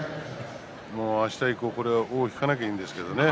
あした以降尾を引かなければいいんですがね。